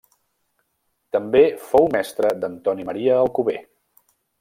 També fou mestre d'Antoni Maria Alcover.